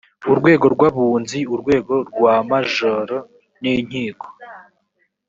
urwego rw abunzi urwego rwa maj n inkiko